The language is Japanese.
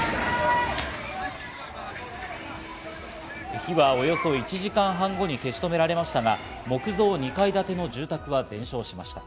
火はおよそ１時間半後に消し止められましたが、木造２階建ての住宅は全焼しました。